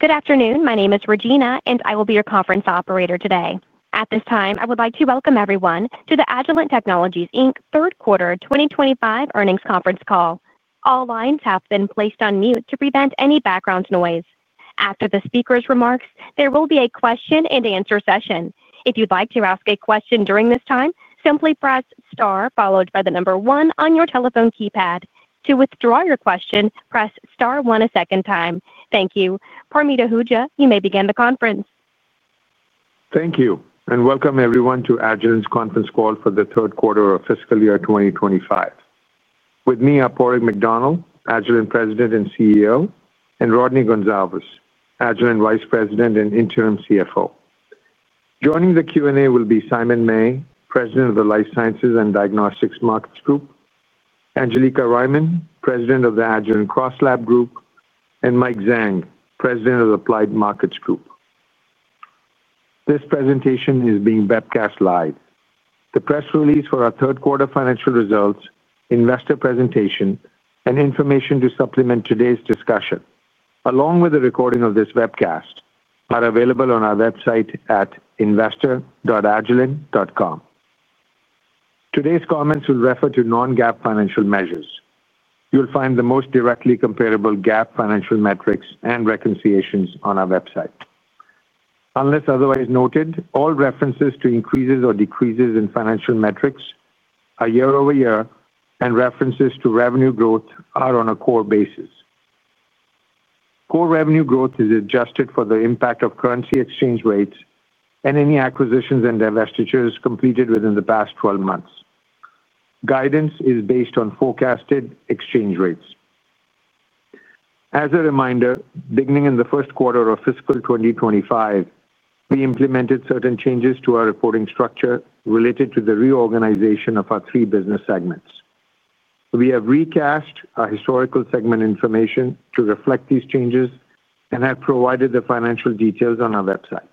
Good afternoon. My name is Regina and I will be your conference operator today. At this time I would like to welcome everyone to the Agilent Technologies Inc Third Quarter 2025 Earnings Conference Call. All lines have been placed on mute to prevent any background noise. After the speaker's remarks, there will be a question and answer session. If you'd like to ask a question during this time, simply press star followed by the number one on your telephone keypad. To withdraw your question, press star one a second time. Thank you, Parmeet Ahuja. You may begin the conference. Thank you and welcome everyone to Agilent's Conference Call for the third quarter of fiscal year 2025. With me are Padraig McDonnell, Agilent's President and CEO, and Rodney Gonsaves, Agilent Vice President and Interim CFO. Joining the Q&A will be Simon May, President of the Life Sciences and Diagnostics Markets Group, Angelica Riemann, President of the Agilent Cross Lab Group, and Mike Zhang, President of Applied Markets Group. This presentation is being webcast live. The press release for our third quarter financial results, investor presentation, and information to supplement today's discussion along with a recording of this webcast are available on our website at investor.agilent.com. Today's comments will refer to non-GAAP financial measures. You'll find the most directly comparable GAAP financial metrics and reconciliations on our website. Unless otherwise noted, all references to increases or decreases in financial metrics are year over year and references to revenue growth are on a core basis. Core revenue growth is adjusted for the impact of currency exchange rates and any acquisitions and divestitures completed within the past 12 months. Guidance is based on forecasted exchange rates. As a reminder, beginning in the first quarter of fiscal 2025, we implemented certain changes to our reporting structure related to the reorganization of our three business segments. We have recast our historical segment information to reflect these changes and have provided the financial details on our website.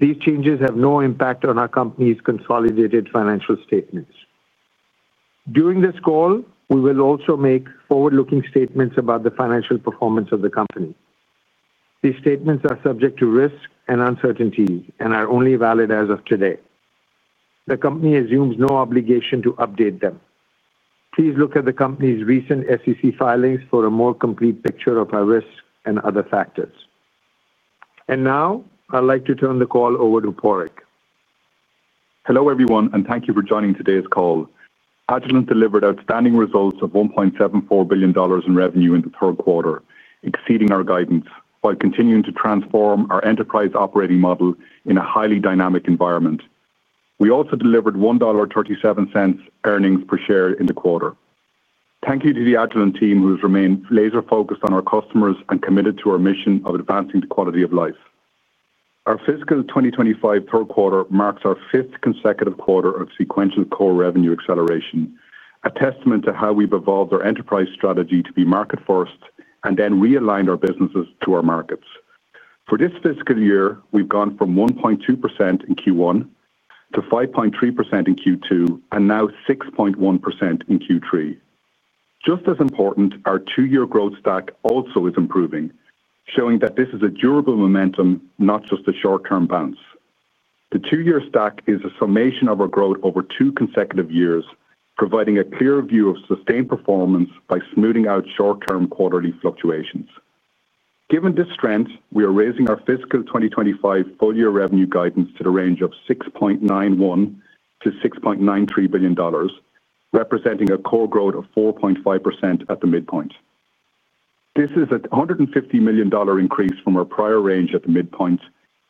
These changes have no impact on our company's consolidated financial statements. During this call, we will also make forward-looking statements about the financial performance of the company. These statements are subject to risk and uncertainty and are only valid as of today. The company assumes no obligation to update them. Please look at the company's recent SEC filings for a more complete picture of our risk and other factors. Now I'd like to turn the call over to Padraig. Hello everyone and thank you for joining today's call. Agilent Technologies delivered outstanding results of $1.74 billion in revenue in the third quarter, exceeding our guidance while continuing to transform our enterprise operating model in a highly dynamic environment. We also delivered $1.37 earnings per share in the quarter. Thank you to the Agilent team who has remained laser focused on our customers and committed to our mission of advancing the quality of life. Our fiscal 2025 third quarter marks our fifth consecutive quarter of sequential core revenue acceleration, a testament to how we've evolved our enterprise strategy to be market first and then realigned our businesses to our markets. For this fiscal year, we've gone from 1.2% in Q1 to 5.3% in Q2 and now 6.1% in Q3. Just as important, our two-year growth stack also is improving, showing that this is a durable momentum, not just a short-term bounce. The two-year stack is a summation of our growth over two consecutive years, providing a clear view of sustained performance by smoothing out short-term quarterly fluctuations. Given this strength, we are raising our fiscal 2025 full year revenue guidance to the range of $6.91-$6.93 billion, representing a core growth of 4.5% at the midpoint. This is a $150 million increase from our prior range at the midpoint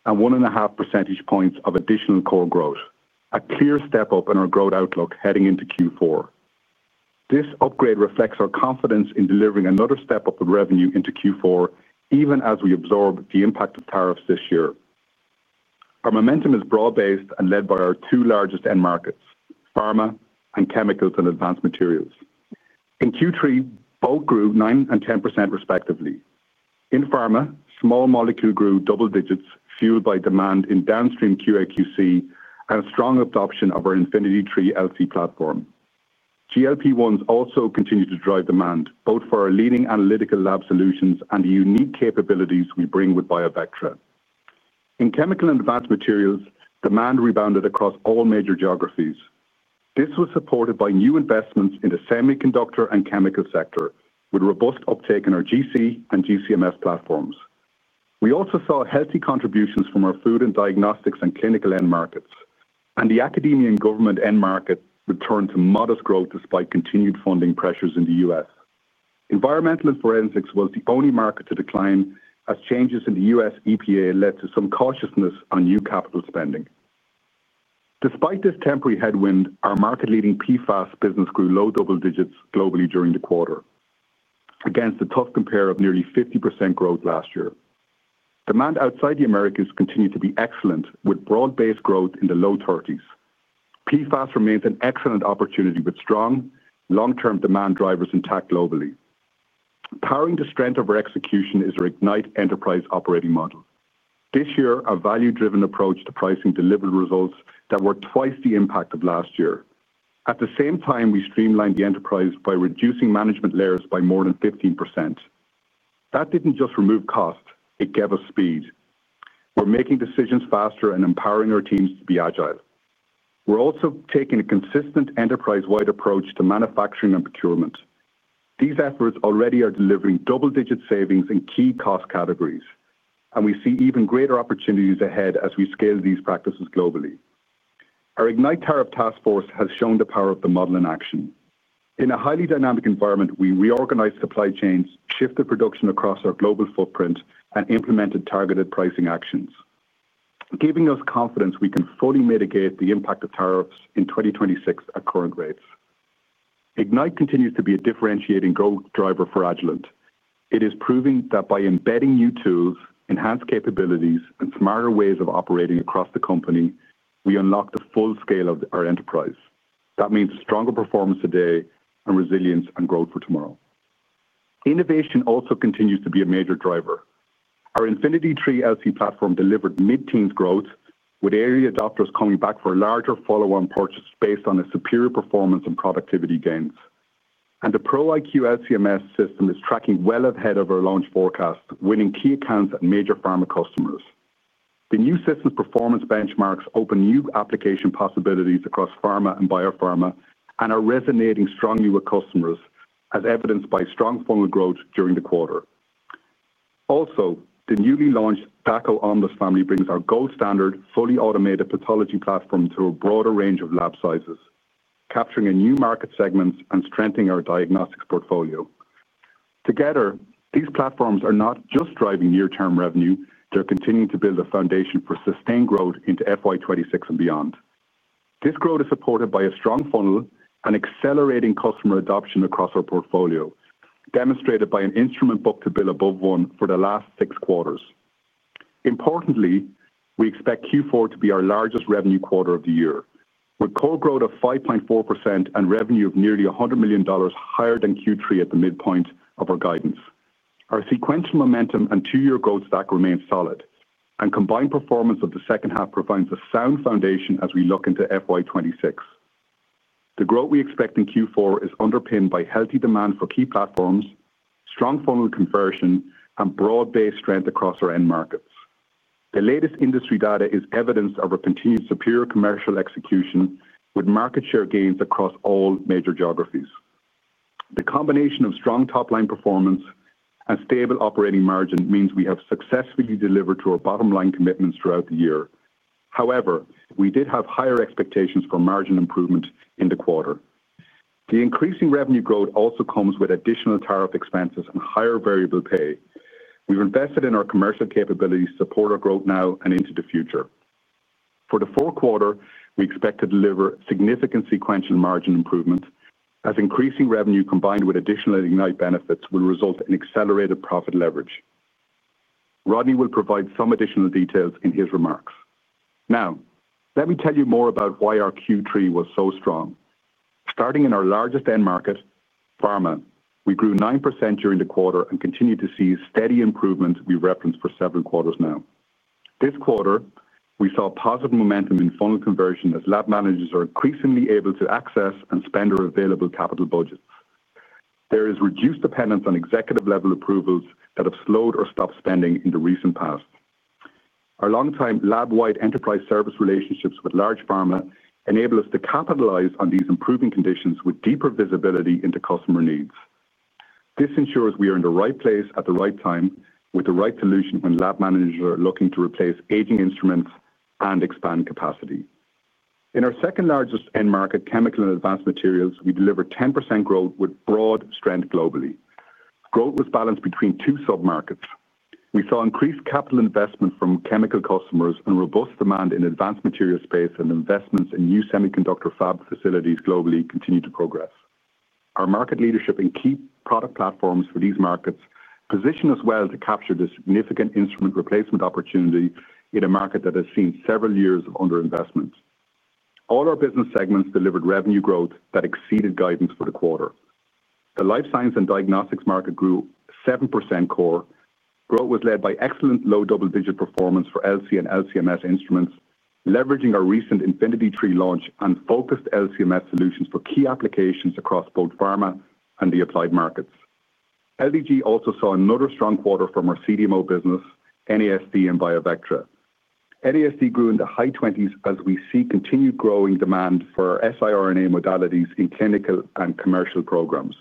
and 1.5 percentage points of additional core growth, a clear step up in our growth outlook heading into Q4. This upgrade reflects our confidence in delivering another step up of revenue into Q4 even as we absorb the impact of tariffs this year. Our momentum is broad based and led by our two largest end markets, Pharma and Chemicals and advanced materials. In Q3 both grew 9% and 10% respectively. In Pharma, small molecule grew double digits fueled by demand in downstream QA QC and strong adoption of our InfinityLab LC Series Portfolio. GLP1s also continue to drive demand both for our leading analytical lab solutions and the unique capabilities we bring with Biovectra. In chemical and advanced materials, demand rebounded across all major geographies. This was supported by new investments in the semiconductor and chemical sector with robust uptake in our GC and GCMS platforms. We also saw healthy contributions from our food and diagnostics and clinical end markets and the academia and government end market returned to modest growth despite continued funding pressures. In the U.S., Environmental and Forensics was the only market to decline as changes in the U.S. EPA led to some cautiousness on new capital spending. Despite this temporary headwind, our market-leading PFAS business grew low double digits globally during the quarter against a tough compare of nearly 50% growth last year. Demand outside the Americas continued to be excellent with broad-based growth in the low 30%. PFAS remains an excellent opportunity with strong long-term demand drivers intact. Globally, powering the strength of our execution is our Ignite Enterprise operating model. This year, our value-driven approach to pricing delivered results that were twice the impact of last year. At the same time, we streamlined the enterprise by reducing management layers by more than 15%. That didn't just remove cost, it gave us speed. We're making decisions faster and empowering our teams to be agile. We're also taking a consistent enterprise-wide approach to manufacturing and procurement. These efforts already are delivering double-digit savings in key cost categories, and we see even greater opportunities ahead as we scale these practices globally. Our Ignite Tariff Task Force has shown the power of the model in action in a highly dynamic environment. We reorganized supply chains, shifted production across our global footprint, and implemented targeted pricing actions, giving us confidence we can fully mitigate the impact of tariffs in 2026 at current rates. Ignite continues to be a differentiating growth driver for Agilent Technologies. It is proving that by embedding new tools, enhanced capabilities, and smarter ways of operating across the company, we unlock the full scale of our enterprise. That means stronger performance today and resilience and growth for tomorrow. Innovation also continues to be a major driver. Our InfinityLab LC platform delivered mid-teens growth with area adopters coming back for larger follow-on purchase based on superior performance and productivity gains. The Pro iQ LCMS system is tracking well ahead of our launch forecast, winning key accounts at major pharma customers. The new system of performance benchmarks opens new application possibilities across pharma and biopharma and is resonating strongly with customers as evidenced by strong funnel growth during the quarter. Also, the newly launched Dako Omnis family brings our gold standard fully automated pathology platform to a broader range of lab sizes, capturing a new market segment and strengthening our diagnostics portfolio. Together, these platforms are not just driving near term revenue, they're continuing to build a foundation for sustained growth into FY 2026 and beyond. This growth is supported by a strong funnel and accelerating customer adoption across our portfolio, demonstrated by an instrument book-to-bill above one for the last six quarters. Importantly, we expect Q4 to be our largest revenue quarter of the year with core growth of 5.4% and revenue of nearly $100 million higher than Q3 at the midpoint of our guidance. Our sequential momentum and two year growth stack remain solid and combined performance of the second half provides a sound foundation as we look into FY 2026. The growth we expect in Q4 is underpinned by healthy demand for key platforms, strong funnel conversion, and broad based strength across our end markets. The latest industry data is evidence of our continued superior commercial execution with market share gains across all major geographies. The combination of strong top line performance and stable operating margin means we have successfully delivered to our bottom line commitments throughout the year. However, we did have higher expectations for margin improvement in the quarter. The increasing revenue growth also comes with additional tariff expenses and higher variable payments. We've invested in our commercial capabilities to support our growth now and into the future. For the fourth quarter, we expect to deliver significant sequential margin improvement as increasing revenue combined with additional ignite benefits will result in accelerated profit leverage. Rodney will provide some additional details in his remarks. Now let me tell you more about why our Q3 was so strong. Starting in our largest end market, pharma, we grew 9% during the quarter and continue to see steady improvements we referenced for several quarters now. This quarter we saw positive momentum in funnel conversion as lab managers are increasingly able to access and spend their available capital budgets. There is reduced dependence on executive level approvals that have slowed or stopped spending in the recent past. Our longtime lab-wide enterprise service relationships with large pharmacists enable us to capitalize on these improving conditions with deeper visibility into customer needs. This ensures we are in the right place at the right time with the right solution when lab managers are looking to replace aging instruments and expand capacity. In our second largest end market, chemical and advanced materials, we delivered 10% growth with broad strength globally. Growth was balanced between two submarkets. We saw increased capital investment from chemical customers and robust demand in advanced material space and investments in new semiconductor fab facilities globally. We continue to progress. Our market leadership in key product platforms for these markets positions us well to capture the significant instrument replacement opportunity in a market that has seen several years of underinvestment. All our business segments delivered revenue growth that exceeded guidance for the quarter. The life science and diagnostics market grew 7%. Core growth was led by excellent low double-digit performance for LC and LCMS instruments, leveraging our recent InfinityLab launch and focused LCMS solutions for key applications across both pharma and the applied markets. LDG also saw another strong quarter from our CDMO business, NASD and Biovectra. NASD grew in the high 20s as we see continued growing demand for SIRNA modalities in clinical and commercial programs.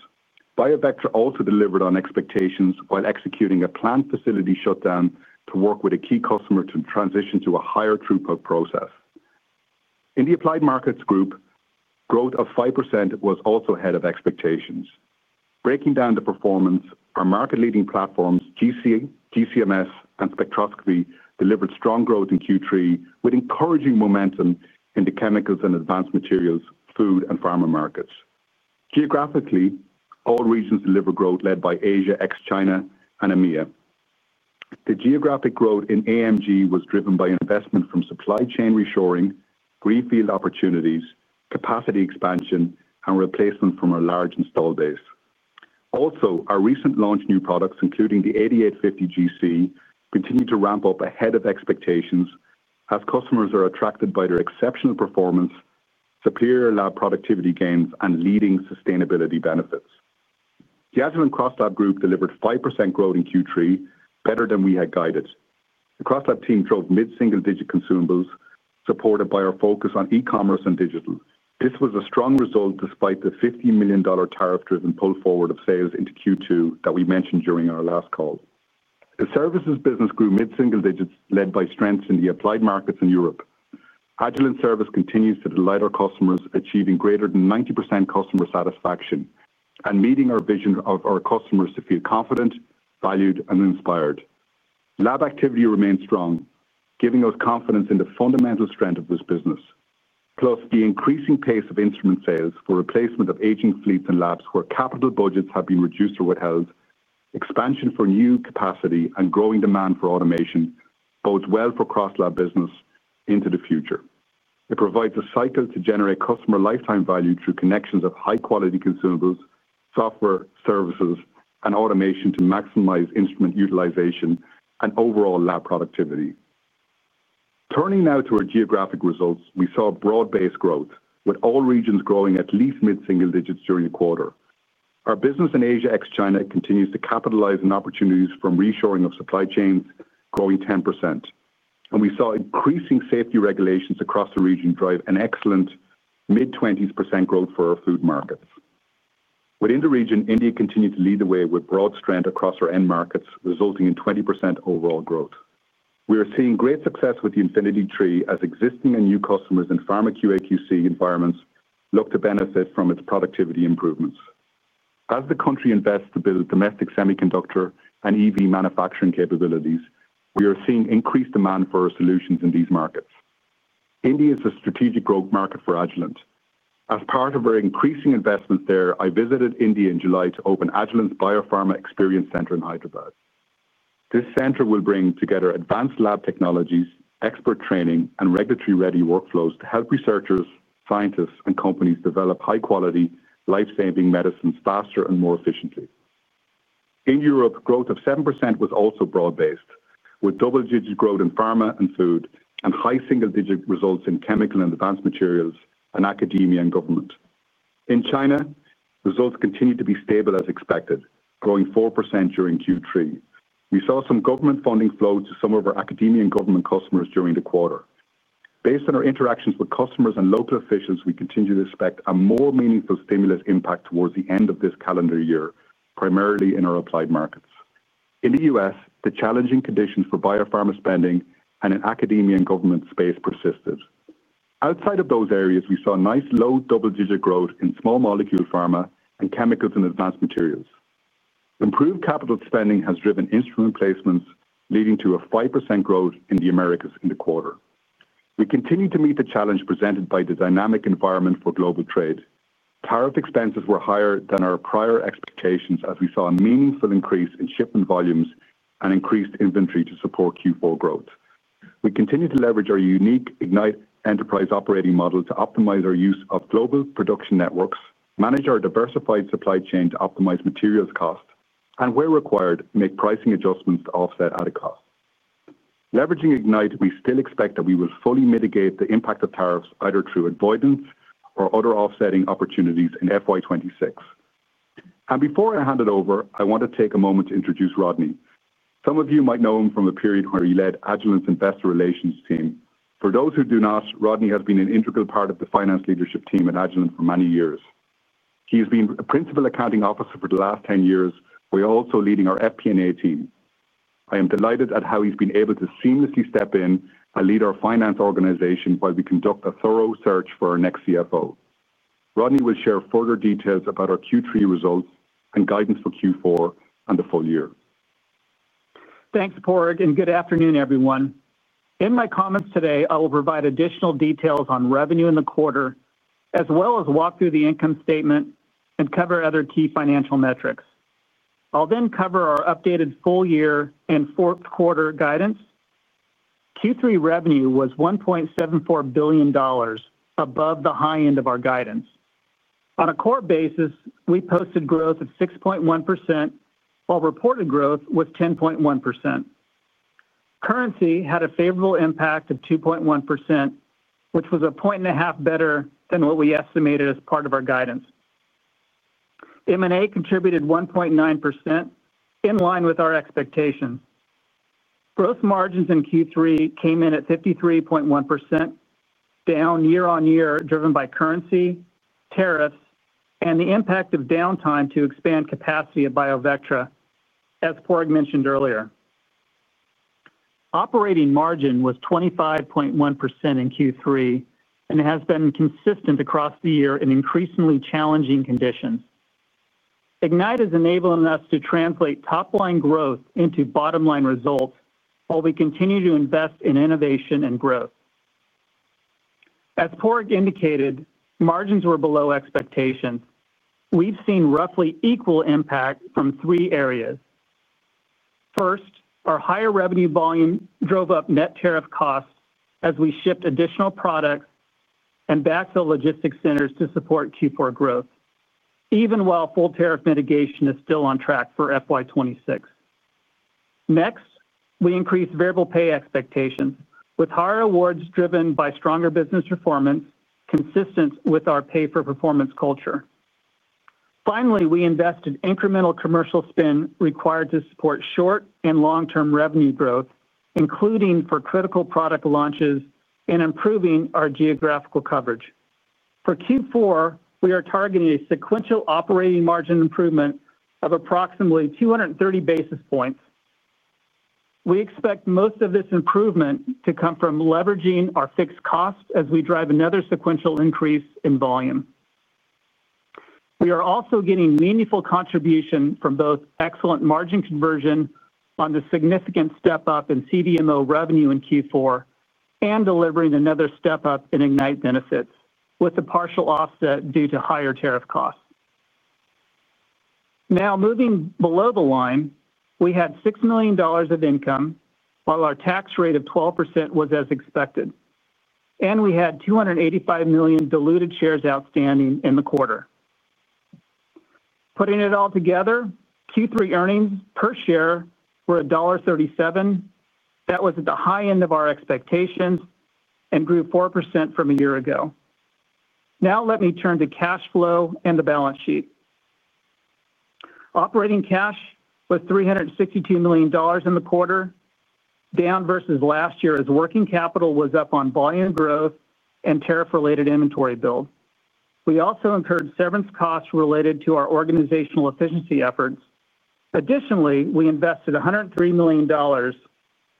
Biovectra also delivered on expectations while executing a planned facility shutdown to work with a key customer to transition to a higher throughput process. In the Applied Markets Group, growth of 5% was also ahead of expectations. Breaking down the performance, our market-leading platforms GCMS and Spectroscopy delivered strong growth in Q3 with encouraging momentum in the chemicals and advanced materials, food and pharma markets. Geographically, all regions delivered growth led by Asia, ex-China and EMEA. The geographic growth in AMG was driven by investment from supply chain reshoring, greenfield opportunities, capacity expansion and replacement from our large installed base. Also, our recent launch of new products including the 8850 GC continues to ramp up ahead of expectations as customers are attracted by their exceptional performance, superior lab productivity gains and leading sustainability benefits. The Agilent CrossLab group delivered 5% growth in Q3, better than we had guided. The CrossLab team drove mid single digit consumables supported by our focus on e-commerce and digital. This was a strong result despite the $50 million tariff driven pull forward of sales into Q2 that we mentioned during our last call. The services business grew mid single digits, led by strength in the applied markets in Europe. Agilent service continues to delight our customers, achieving greater than 90% customer satisfaction and meeting our vision of our customers to feel confident, valued, and inspired. Lab activity remains strong, giving us confidence in the fundamental strength of this business plus the increasing pace of instrument sales for replacement of aging fleets in labs where capital budgets have been reduced or withheld. Expansion for new capacity and growing demand for automation bodes well for CrossLab business into the future. It provides a cycle to generate customer lifetime value through connections of high quality consumables, software, services, and automation to maximize instrument utilization and overall lab productivity. Turning now to our geographic results, we saw broad-based growth with all regions growing at least mid single digits during the quarter. Our business in Asia ex China continues to capitalize on opportunities from reshoring of supply chains, growing 10%, and we saw increasing safety regulations across the region drive an excellent mid 20% growth for our food markets within the region. India continued to lead the way with broad strength across our end markets, resulting in 20% overall growth. We are seeing great success with the InfinityLab LC Series Portfolio as existing and new customers in pharma QA/QC environments look to benefit from its productivity improvements. As the country invests to build domestic semiconductor and EV manufacturing capabilities, we are seeing increased demand for our solutions in these markets. India is a strategic growth market for Agilent. As part of our increasing investment there, I visited India in July to open Agilent's Biopharma Experience Center in Hyderabad. This center will bring together advanced lab technologies, expert training, and regulatory ready workflows to help researchers, scientists, and companies develop high quality life saving medicines faster and more efficiently. In Europe, growth of 7% was also broad-based with double digit growth in pharma and food and high single digit results in chemical and advanced materials and academia and government. In China, results continued to be stable as expected, growing 4% during Q3. We saw some government funding flow to some of our academia and government customers during the quarter. Based on our interactions with customers and local officials, we continue to expect a more meaningful stimulus impact towards the end of this calendar year, primarily in our applied markets. In the U.S., the challenging conditions for biopharma spending and in academia and government space persisted. Outside of those areas, we saw nice low double-digit growth in small molecule pharma and chemicals and advanced materials. Improved capital spending has driven instrument placements, leading to a 5% growth in the Americas. In the quarter, we continue to meet the challenge presented by the dynamic environment for global trade. Tariff expenses were higher than our prior expectations as we saw a meaningful increase in shipment volumes and increased inventory to support Q4 growth. We continue to leverage our unique Ignite Enterprise operating model to optimize our use of global production networks, manage our diversified supply chain to optimize materials cost, and where required, make pricing adjustments to offset added costs leveraging Ignite. We still expect that we will fully mitigate the impact of tariffs either through avoidance or other offsetting opportunities in FY 2026. Before I hand it over, I want to take a moment to introduce Rodney. Some of you might know him from a period where he led Agilent's investor relations team. For those who do not, Rodney has been an integral part of the finance leadership team at Agilent for many years. He has been a Principal Accounting Officer for the last 10 years while also leading our FP&A team. I am delighted at how he's been able to seamlessly step in and lead our finance organization while we conduct a thorough search for our next CFO. Rodney will share further details about our Q3 results and guidance for Q4 and the full year. Thanks Padraig and good afternoon everyone. In my comments today, I will provide additional details on revenue in the quarter as well as walk through the income statement and cover other key financial metrics. I'll then cover our updated full year and fourth quarter guidance. Q3 revenue was $1.74 billion, above the high end of our guidance. On a core basis, we posted growth of 6.1% while reported growth was 10.1%. Currency had a favorable impact of 2.1%, which was a point and a half better than what we estimated as part of our guidance. M&A contributed 1.9%, in line with our expectation. Gross margins in Q3 came in at 53.1%, down year on year, driven by currency, tariffs, and the impact of downtime to expand capacity of Biovectra. As Padraig mentioned earlier, operating margin was 25.1% in Q3 and has been consistent across the year in increasingly challenging conditions. Ignite is enabling us to translate top line growth into bottom line results while we continue to invest in innovation and growth. As Rodney indicated, margins were below expectations. We've seen roughly equal impact from three areas. First, our higher revenue volume drove up net tariff cost as we shipped additional products and backfilled logistics centers to support Q4 growth, even while full tariff mitigation is still on track for FY 2026. Next, we increased variable pay expectation with higher awards driven by stronger business performance, consistent with our pay for performance culture. Finally, we invested incremental commercial spend required to support short and long term revenue growth, including for critical product launches and improving our geographical coverage. For Q4, we are targeting a sequential operating margin improvement of approximately 230 basis points. We expect most of this improvement to come from leveraging our fixed cost as we drive another sequential increase in volume. We are also getting meaningful contribution from both excellent margin conversion on the significant step up in CDMO revenue in Q4 and delivering another step up in Ignite benefits, with a partial offset due to higher tariff costs. Now moving below the line, we had $6 million of income while our tax rate of 12% was as expected and we had 285 million diluted shares outstanding in the quarter. Putting it all together, Q3 earnings per share were $1.37. That was at the high end of our expectations and grew 4% from a year ago. Now let me turn to cash flow and the balance sheet. Operating cash was $362 million in the quarter, down versus last year as working capital was up on volume growth and tariff-related inventory build. We also incurred severance costs related to our organizational efficiency efforts. Additionally, we invested $103 million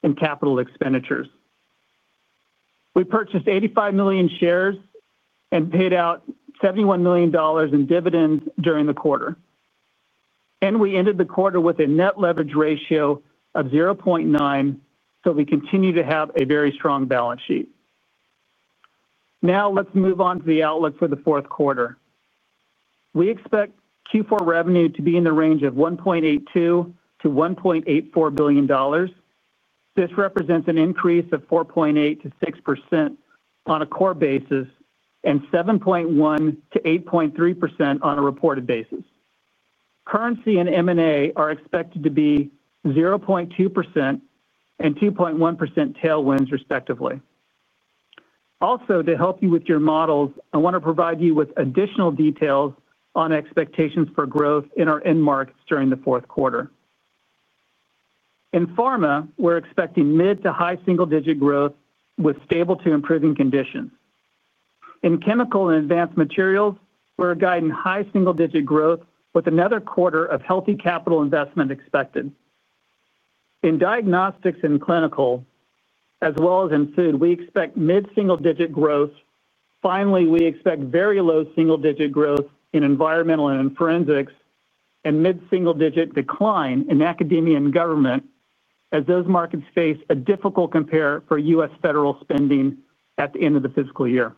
in capital expenditures. We purchased 85 million shares and paid out $71 million in dividend during the quarter, and we ended the quarter with a net leverage ratio of 0.9x, so we continue to have a very strong balance sheet. Now let's move on to the outlook for the fourth quarter. We expect Q4 revenue to be in the range of $1.82 billion-$1.84 billion. This represents an increase of 4.8%-6% on a core basis and 7.1%-8.3% on a reported basis. Currency and M&A are expected to be 0.2% and 2.1% tailwinds, respectively. Also, to help you with your models, I want to provide you with additional details on expectations for growth in our end markets during the fourth quarter. In pharma, we're expecting mid to high single-digit growth with stable to improving conditions in chemical and advanced materials. We're guiding high single-digit growth with another quarter of healthy capital investment expected. In diagnostics and clinical as well as in food, we expect mid single-digit growth. Finally, we expect very low single-digit growth in environmental and forensics and mid single-digit decline in academia and government as those markets face a difficult compare for U.S. Federal spending. At the end of the fiscal year,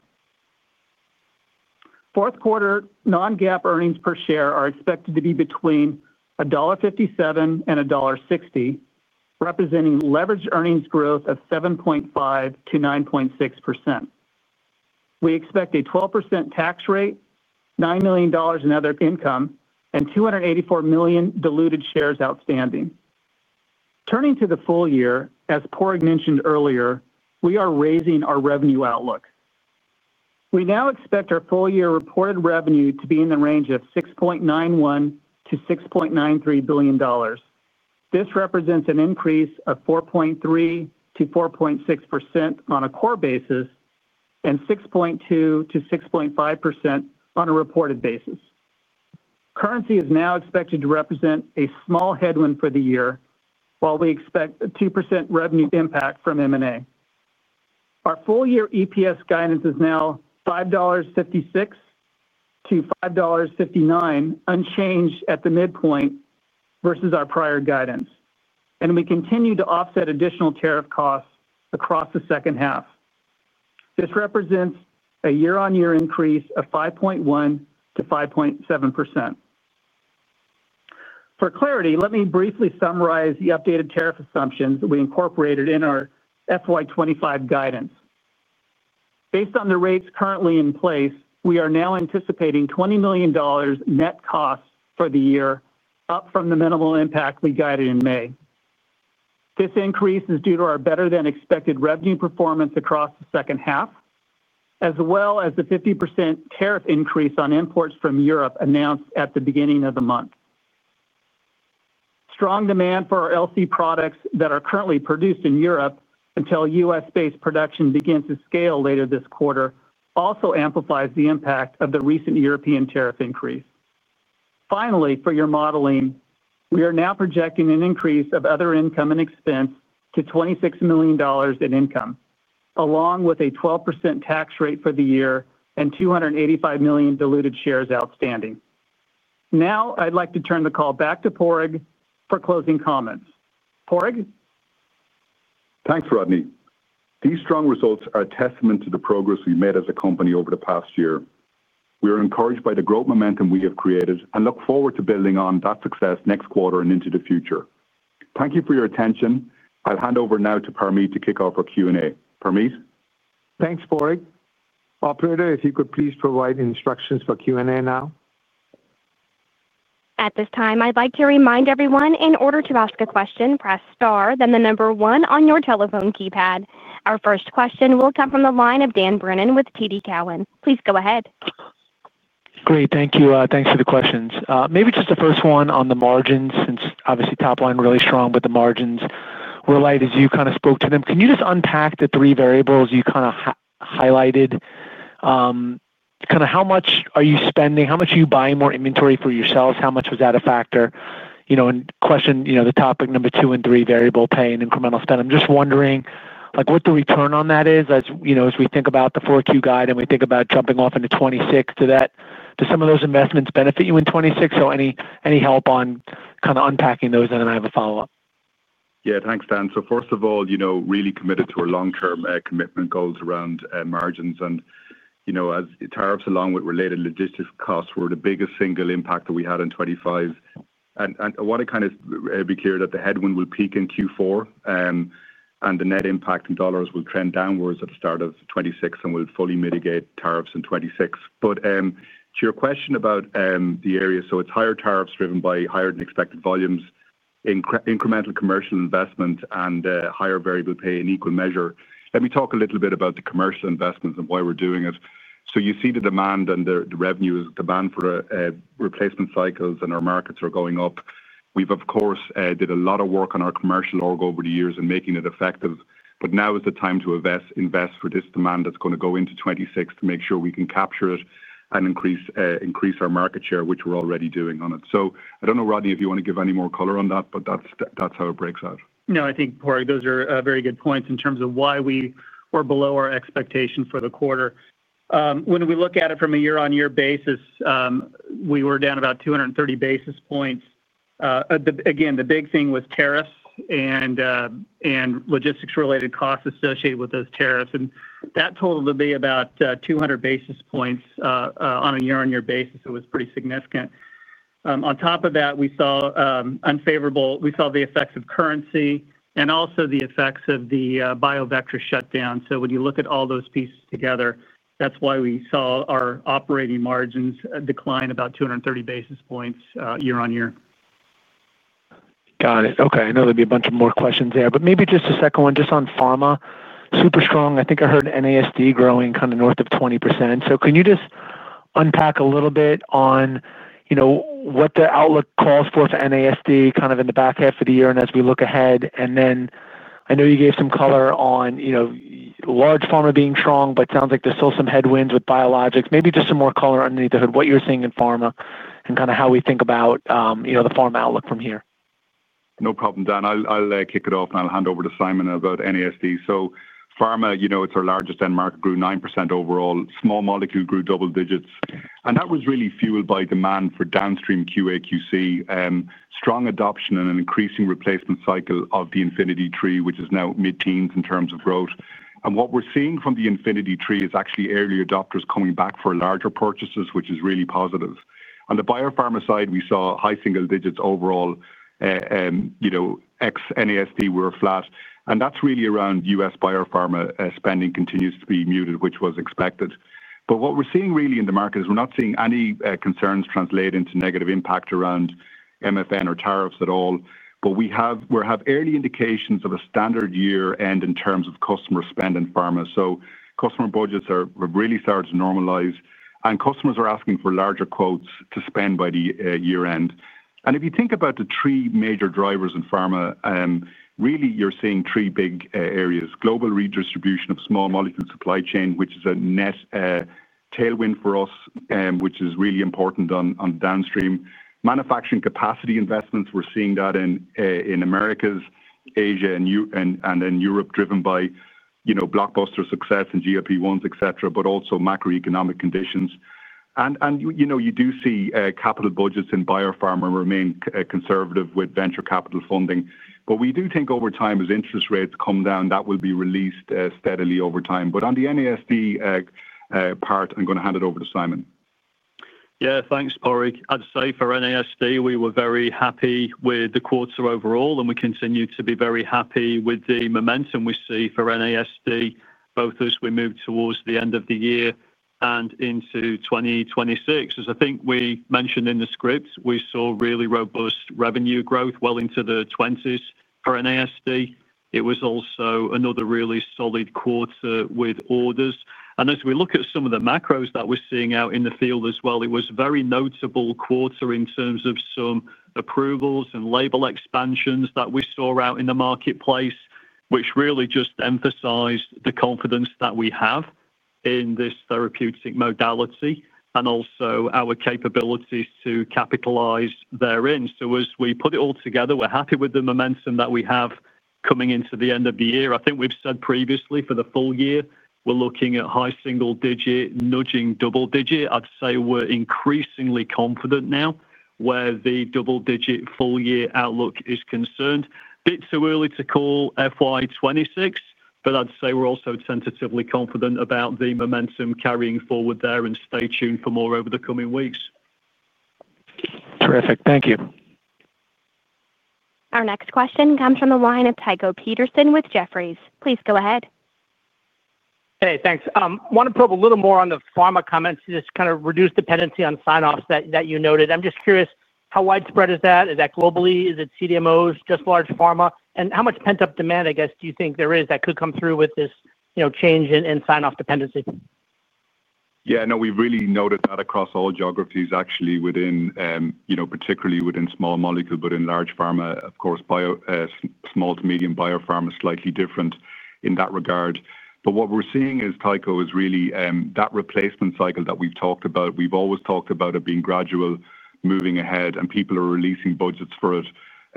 fourth quarter non-GAAP earnings per share are expected to be between $1.57-$1.60, representing leveraged earnings growth of 7.5%-9.6%. We expect a 12% tax rate, $9 million in other income, and 284 million diluted shares outstanding. Turning to the full year, as Padraig McDonnell mentioned earlier, we are raising our revenue outlook. We now expect our full year reported revenue to be in the range of $6.91 billion-$6.93 billion. This represents an increase of 4.3%-4.6% on a core basis and 6.2%-6.5% on a reported basis. Currency is now expected to represent a small headwind for the year, while we expect a 2% revenue impact from M&A. Our full year EPS guidance is now $5.56-$5.59, unchanged at the midpoint versus our prior guidance, and we continue to offset additional tariff costs across the second half. This represents a year-on-year increase of 5.1%-5.7%. For clarity, let me briefly summarize the updated tariff assumptions that we incorporated in our FY 2025 guidance. Based on the rates currently in place, we are now anticipating a $20 million net cost for the year, up from the minimal impact we guided in May. This increase is due to our better than expected revenue performance across the second half, as well as the 50% tariff increase on imports from Europe announced at the beginning of the month. Strong demand for our LC products that are currently produced in Europe until U.S.-based production begins to scale later this quarter also amplifies the impact of the recent European tariff increase. Finally, for your modeling, we are now projecting an increase of other income and expense to $26 million in income along with a 12% tax rate for the year and 285 million diluted shares outstanding. Now I'd like to turn the call back to Padraig for closing comments. Padraig. Thanks Rodney. These strong results are a testament to the progress we've made as a company over the past year. We are encouraged by the growth momentum we have created and look forward to building on that success next quarter and into the future. Thank you for your attention. I'll hand over now to Parmeet to kick off our Q&A. Parmeet. Thanks, Padraig. Operator, if you could please provide instructions for Q&A now. At this time I'd like to remind everyone in order to ask a question, press star then the number one on your telephone keypad. Our first question will come from the line of Dan Brennan with TD Cowen. Please go ahead. Great, thank you. Thanks for the questions. Maybe just the first one on the margins since obviously top line, really strong, but the margins were light as you kind of spoke to them. Can you just unpack the three variables you kind of highlighted? How much are you spending? How much are you buying more inventory for yourselves? How much was that a factor? The topic number two and three, variable pay and incremental spend. I'm just wondering what the return on that is as we think about the 4Q guide and we think about jumping off into 2026. Do some of those investments benefit you in 2026? Any help on unpacking those and then I'll have a follow up. Yeah, thanks Dan. First of all, really committed to our long term commitment goals around margins, and as tariffs along with related logistics costs were the biggest single impact that we had in 2025. I want to be clear that the headwind will peak in Q4, and the net impact in dollars will trend downwards at the start of 2026 and will fully mitigate tariffs in 2026. To your question about the area, it's higher tariffs driven by higher than expected volumes, incremental commercial investment, and higher variable pay in equal measure. Let me talk a little bit about the commercial investments and why we're doing it. You see the demand and the revenues, demand for replacement cycles in our markets are going up. We've of course did a lot of work on our commercial org over the years and making it effective. Now is the time to invest for this demand that's going to go into 2026 to make sure we can capture it and increase our market share, which we're already doing on it. I don't know, Rodney, if you want to give any more color on that, but that's how it breaks out. No, I think those are very good points in terms of why we were below our expectation for the quarter. When we look at it from a year-on-year basis, we were down about 230 basis points. The big thing was tariffs and logistics-related costs associated with those tariffs. That totaled to be about 200 basis points on a year-on-year basis. It was pretty significant. On top of that, we saw unfavorable effects of currency and also the effects of the Biovectra shutdown. When you look at all those pieces together, that's why we saw our operating margins decline about 230 basis points year-on-year. Got it. Okay, I know there'll be a bunch of more questions there, but maybe just a second one. Just on pharma, super strong, I think I heard NASD growing kind of north of 20%. Can you just unpack a little bit on what the outlook calls for for NASD kind of in the back half of the year and as we look ahead? I know you gave some color on large pharma being strong, but sounds like there's still some headwinds with biologics. Maybe just some more color underneath the hood, what you're seeing in pharma and kind of how we think about the pharma outlook from here. No problem, Dan. I'll kick it off and I'll hand over to Simon about NASD. Pharma you know, it's our largest end market, grew 9% overall, small molecule grew double digits. That was really fueled by demand for downstream QA, QC, strong adoption and an increasing replacement cycle of the InfinityLab LC Series Portfolio, which is now mid-teens in terms of growth. What we're seeing from the InfinityLab LC Series Portfolio is actually early adopters coming back for larger purchases, which is really positive. On the biopharma side, we saw high single digits overall. Ex NASD were flat. That is really around us. Biopharma spending continues to be muted, which was expected. What we're seeing in the market is we're not seeing any concerns translate into negative impact around MFN or tariffs at all. We have early indications of a standard year end in terms of customer spend in pharma. Customer budgets are really starting to normalize and customers are asking for larger quotes to spend by the year end. If you think about the three major drivers in pharma, really you're seeing three big areas. Global redistribution of small molecule supply chain, which is a net tailwind for us, which is really important on downstream manufacturing capacity investments. We're seeing that in Americas, Asia and then Europe driven by blockbuster success in GLP-1s, et cetera, but also macroeconomic conditions. You do see capital budgets in biopharma remain conservative with venture capital funding. We do think over time as interest rates come down, that will be released steadily over time. On the NASD part, I'm going to hand it over to Simon. Yeah, thanks Padraig. I'd say for NASD we were very happy with the quarter overall, and we continue to be very happy with the momentum we see for NASD both as we move towards the end of the year and into 2026. As I think we mentioned in the script, we saw really robust revenue growth well into the 20s for NASD. It was also another really solid quarter with orders. As we look at some of the macros that we're seeing out in the field as well, it was a very notable quarter in terms of some approvals and label expansions that we saw out in the marketplace, which really just emphasized the confidence that we have in this therapeutic modality and also our capabilities to capitalize therein. As we put it all together, we're happy with the momentum that we have coming into the end of the year. I think we've said previously for the full year we're looking at high single digit nudging, double digit. I'd say we're increasingly confident now where the double digit full year outlook is concerned. It's a bit too early to call FY 2026, but I'd say we're also tentatively confident about the momentum carrying forward there and stay tuned for more over the coming weeks. Terrific, thank you. Our next question comes from the line of Tycho Peterson with Jefferies. Please go ahead. Hey, thanks. Want to probe a little more on the pharma comments? Just kind of reduced dependency on sign offs that you noted. I'm just curious, how widespread is that? Is that globally, is it CDMO, is it just large pharma, and how much pent up demand do you think there is that could come through with this change in sign off dependency? Yeah, no, we've really noted that across all geographies actually within, you know, particularly within small molecule, but in large pharma of course, bio, small to medium biopharma slightly different in that regard. What we're seeing is really that replacement cycle that we've talked about. We've always talked about it being gradual moving ahead and people are releasing budgets for it.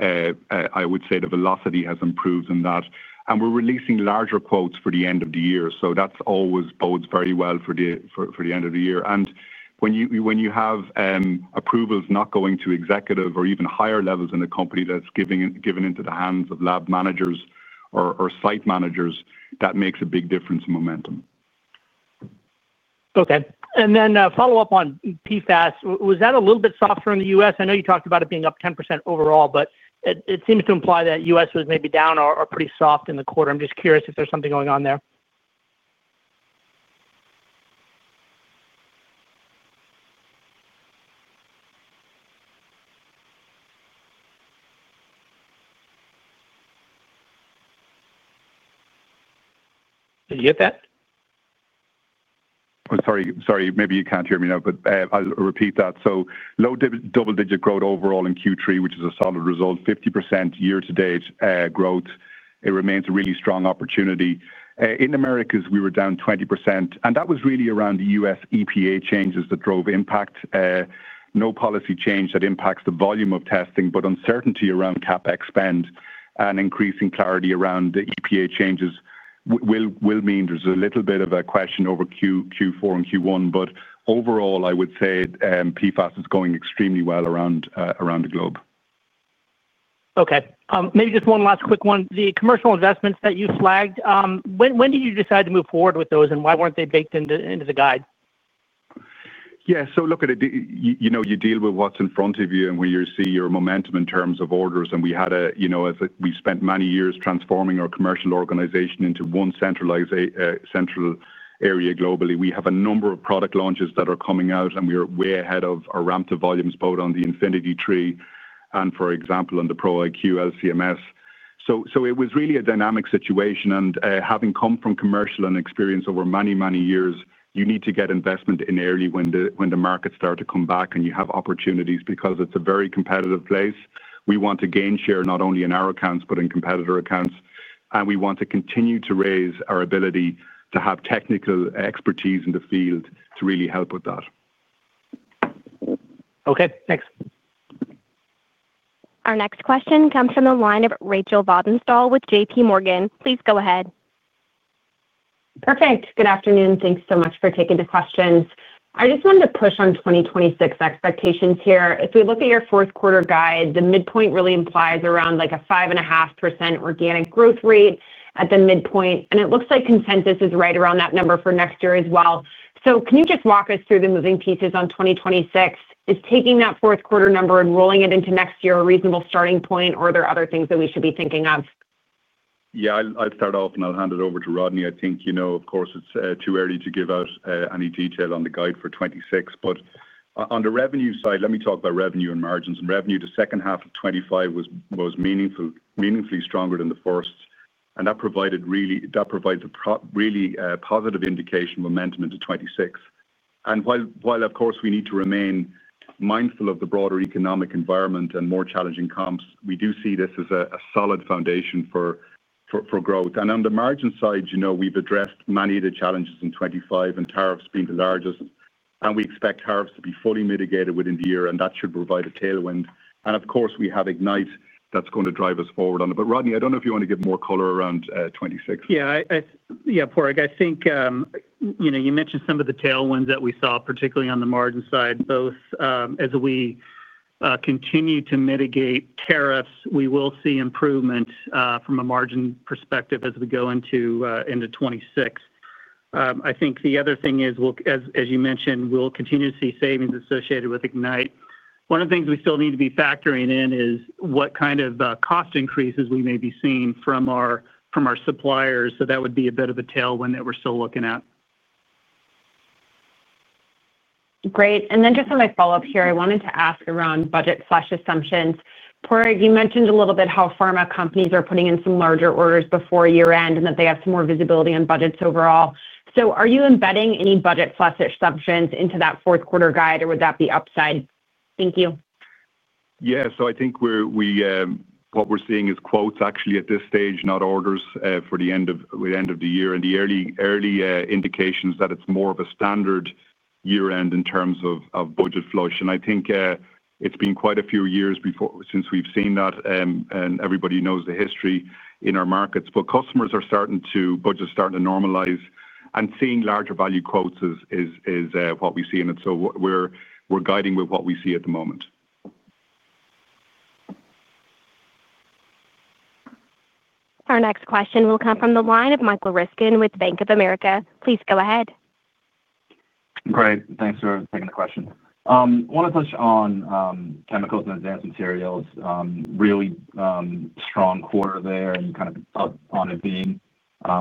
I would say the velocity has improved in that and we're releasing larger quotes for the end of the year. That always bodes very well for the end of the year. When you have approvals not going to executive or even higher levels in the company, that's given into the hands of lab managers or site managers, that makes a big difference in momentum. Okay, and then follow up on PFAS, was that a little bit softer in the U.S.? I know you talked about it being up 10% overall, but it seems to imply that U.S. was maybe down or pretty soft in the quarter. I'm just curious if there's something going on there. Did you get that? Maybe you can't hear me now, but I'll repeat that. Low double-digit growth overall in Q3, which is a solid result. 50% year-to-date growth. It remains a really strong opportunity. In Americas we were down 20%, and that was really around the U.S. EPA changes that drove impact, no policy change that impacts the volume of testing. Uncertainty around CapEx spending and increasing clarity around the EPA changes will mean there's a little bit of a question over Q4 and Q1, but overall I would say PFAS is going extremely well around the globe. Okay, maybe just one last quick one. The commercial investments that you flagged, when did you decide to move forward with those? Why weren't they baked into the guide? Yeah, so look at it. You know, you deal with what's in front of you and when you see your momentum in terms of orders and we had a, you know, we spent many years transforming our commercial organization into one centralized central area globally. We have a number of product launches that are coming out and we are way ahead of our ramp to volumes both on the InfinityLab and for example on the Pro iQ LCMS. It was really a dynamic situation and having come from commercial and experience over many, many years, you need to get investment in early when the markets start to come back and you have opportunities because it's a very competitive place. We want to gain share not only in our accounts, but in competitor accounts. We want to continue to raise our ability to have technical expertise in the field to really help with that. Okay, thanks. Our next question comes from the line of Rachel Vatnsdal with JPMorgan. Please go ahead. Perfect. Good afternoon. Thanks so much for taking the questions. I just wanted to push on 2026 expectations here. If we look at your fourth quarter guide, the midpoint really implies around a 5.5% organic growth rate at the midpoint. It looks like consensus is right around that number for next year as well. Can you just walk us through the moving pieces on 2026? Is taking that fourth quarter number and rolling it into next year a reasonable starting point, or are there other things that we should be thinking of? Yeah, I'll start off and I'll hand it over to Rodney. I think, you know, of course it's too early to give us any detail on the guide for 2026, but on the revenue side, let me talk about revenue and margins and revenue. Second half 2025 was most meaningfully stronger than the first, and that provides a really positive indication momentum into 2026. While of course we need to remain mindful of the broader economic environment and more challenging comps, we do see this as a solid foundation for growth. On the margin side, you know, we've addressed many of the challenges in 2025 and tariffs being the largest. We expect tariffs to be fully mitigated within the year and that should provide a tailwind. Of course we have ignite that's going to drive us forward on it. Rodney, I don't know if you want to give more color around 2026. Yeah, Padraig, I think, you know, you mentioned some of the tailwinds that we saw, particularly on the margin side. Both as we continue to mitigate tariffs, we will see improvement from a margin perspective as we go into 2026. I think the other thing is, as you mentioned, we'll continue to see savings associated with Ignite. One of the things we still need to be factoring in is what kind of cost increases we may be seeing from our suppliers. That would be a bit of a tailwind that we're still looking at. Great. As a follow-up here, I wanted to ask around budget assumptions. Padraig, you mentioned a little bit how pharma companies are putting in some larger orders before year end and that they have some more visibility on budgets overall. Are you embedding any budget flush assumptions into that fourth quarter guide or would that be upside down? Thank you. Yeah, I think what we're seeing is quotes actually at this stage, not orders for the end of the year, and the early indications are that it's more of a standard year end in terms of budget flush. I think it's been quite a few years since we've seen that, and everybody knows the history in our markets. Customers are starting to budget, starting to normalize, and seeing larger value quotes is what we see in it. We're guiding with what we see at the moment. Our next question will come from the line of Michael Ryskin with Bank of America. Please go ahead. Great. Thanks for taking the question. Want to touch on technicals and advanced materials. Really strong quarter there and kind of on it being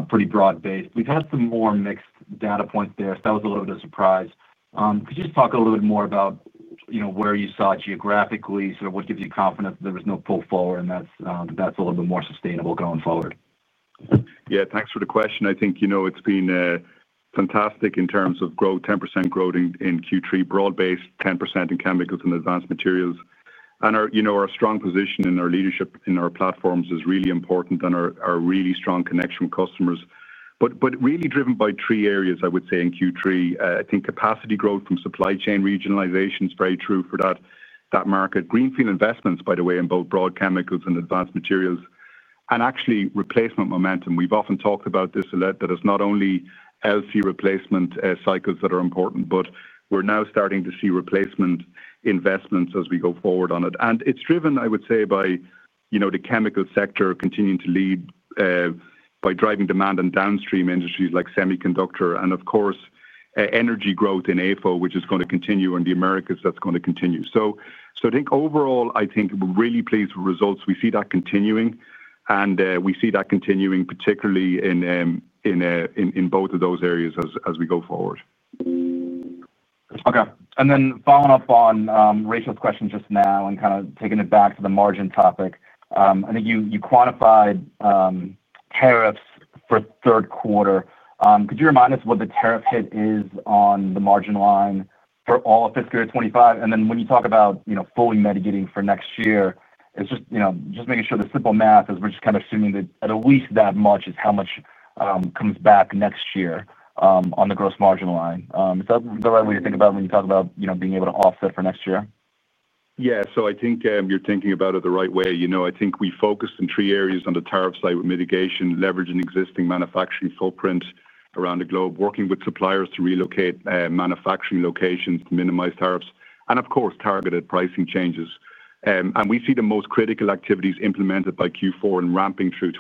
pretty broad based. We've had some more mixed data points there. That was a little bit of a surprise. Could you just talk a little bit more about, you know, where you saw geographically, sort of what gives you confidence there was no pull forward and that's a little bit more sustainable going forward. Yeah, thanks for the question. I think, you know, it's been fantastic in terms of growth. 10% growth in Q3, broad based, 10% in chemicals and advanced materials. Our strong position and our leadership in our platforms is really important and our really strong connection with customers, but really driven by three areas I would say in Q3. I think capacity growth from supply chain regionalization is very true for that market. Greenfield investments, by the way, in both broad chemicals and advanced materials and actually replacement momentum. We've often talked about this, that it's not only LC replacement cycles that are important, but we're now starting to see replacement investments as we go forward on it. It's driven, I would say, by the chemical sector continuing to lead by driving demand and downstream industries like semiconductor and of course energy growth in afo, which is going to continue in the Americas. That's going to continue. I think overall, we're really pleased with results. We see that continuing and we see that continuing particularly in both of those areas as we go forward. Okay. Then following up on Rachel's question just now and kind of taking it back to the margin topic, I think you quantified tariffs for third quarter. Could you remind us what the tariff hit is on the margin line for. All of fiscal year 2025 and then. When you talk about fully mitigating for next year, it's just making sure the simple math is we're just kind of assuming that at least that much is how much comes back next year on the gross margin line. Is that the right way to think about when you talk about being able to offset for next year? Yeah, so I think you're thinking about it the right way. I think we focused in three areas on the tariff side with mitigation, leveraging existing manufacturing footprint around the globe, working with suppliers to relocate manufacturing locations to minimize tariffs, and of course, targeted pricing changes. We see the most critical activities implemented by Q4 and ramping through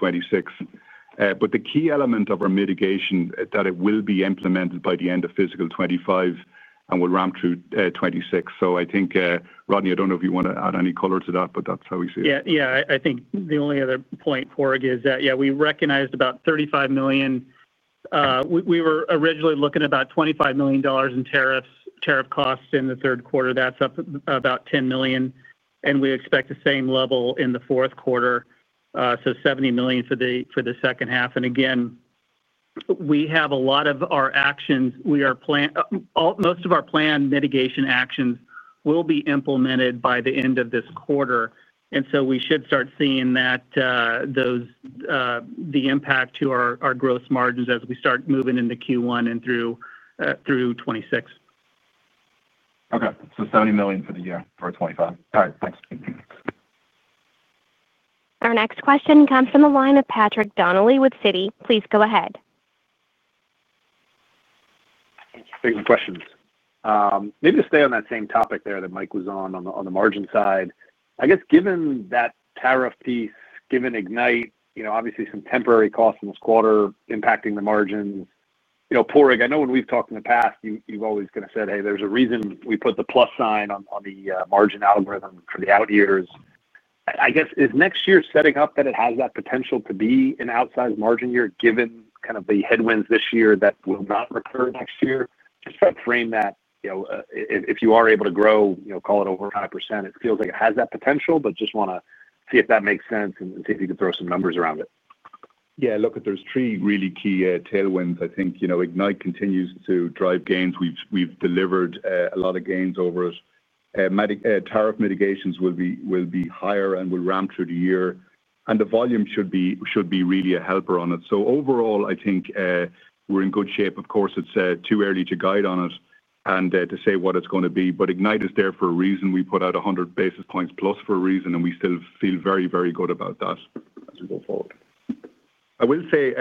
2026. The key element of our mitigation is that it will be implemented by the end of fiscal 2025 and will ramp through 2026. I think, Rodney, I don't know if you want to add any color to that, but that's how we see it. I think the only other point for it is that we recognized about $35 million. We were originally looking at about $25 million in tariff costs in the third quarter. That's up about $10 million. We expect the same level in the fourth quarter, so $70 million for the second half. We have a lot of our actions. Most of our planned mitigation actions will be implemented by the end of this quarter, and we should start seeing the impact to our gross margins as we start moving into Q1 and through 2026. Okay, $70 million for the year, for 2025. All right, thanks. Our next question comes from the line of Patrick Donnelly with Citi. Please go ahead. Questions. Maybe to stay on that same topic. There that Mike was on the margin side, I guess given that tariff piece, given Ignite, you know, obviously some temporary costs in this quarter impacting the margin. You know, Padraig, I know when we've. Talked in the past, you've always kind. There's a reason we put the plus sign on the margin algorithm for the out years. I guess it's next year setting up. That it has that potential to be. An outsized margin year given kind of the headwinds this year that will not recur next year. Just try to frame that. If you are able to grow, call it over 5%. It feels like it has that potential, but just want to see if that makes sense and see if you could. Throw some numbers around it. Yeah, look at those three really key tailwinds. I think Ignite continues to drive gains. We've delivered a lot of gains over it. Tariff mitigations will be higher and will ramp through the year. The volume should be really a helper on it. Overall, I think we're in good shape. Of course, it's too early to guide on us and to say what it's going to be, but Ignite is there for a reason. We put out 100 basis points plus for a reason and we still feel very, very good about that. I will say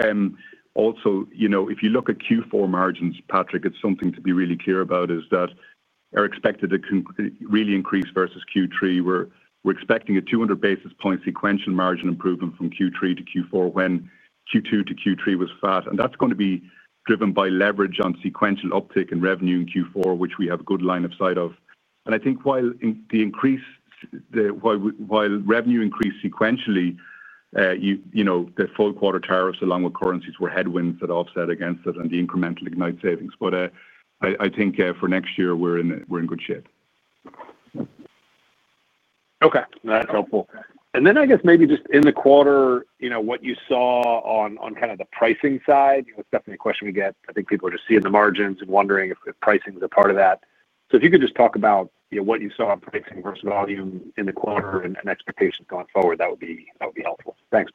also, you know, if you look at Q4 margins, Patrick, it's something to be really clear about is that are expected to really increase versus Q3. We're expecting a 200 basis point sequential margin improvement from Q3 to Q4 when Q2 to Q3 was flat. That's going to be driven by leverage on sequential uptick in revenue in Q4, which we have a good line of sight of. I think while revenue increased sequentially, the full quarter tariffs along with currencies were headwinds that offset against that and the incremental Ignite savings. I think for next year we're in good shape. Okay, that's helpful. Then I guess maybe just in the quarter, you know, what you saw on kind of the pricing side, it's. Definitely a question we get. I think people are just seeing the. Margins and wondering if pricing is a part of that. If you could just talk about what you saw, pricing versus volume in the quarter and expectations going forward, that would be helpful. Thanks.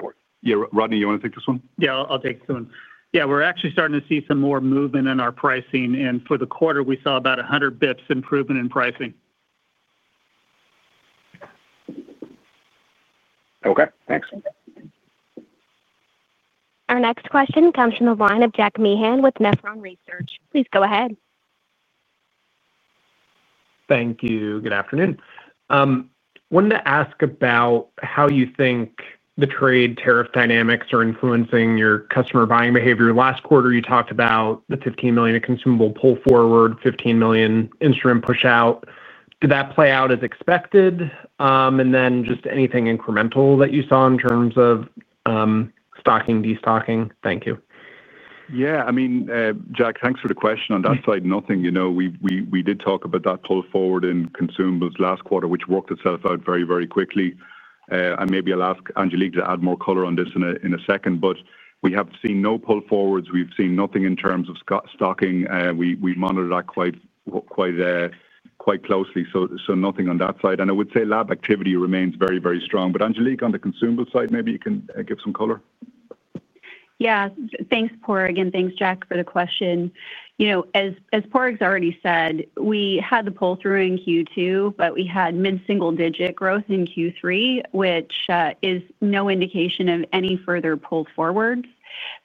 Rodney, you want to take this one? I'll take one. We're actually starting to see some more movement in our pricing, and for the quarter we saw about 100 basis points improvement in pricing. Okay, thanks. Our next question comes from the line of Jack Meehan with Nephron Research. Please go ahead. Thank you. Good afternoon. Wanted to ask about how you think the trade tariff dynamics are influencing your customer buying behavior. Last quarter you talked about the $15 million in consumable pull forward, $15 million instrument push out. Did that play out as expected, and just anything incremental that you saw in terms of stocking, destocking. Thank you. Yeah, I mean Jack, thanks for the question. On that side, nothing. You know, we did talk about that pull forward in consumables last quarter, which worked itself out very, very quickly. Maybe I'll ask Angelica to add more color on this in a second. We have seen no pull forwards. We've seen nothing in terms of stocking. We monitor that quite closely. Nothing on that side. I would say lab activity remains very, very strong. Angelica, on the consumable side, maybe you can give some color. Yeah. Thanks Padraig, and thanks Jack for the question. As Padraig has already said, we had the pull through in Q2, but we had mid single digit growth in Q3, which is indication of any further pull forward.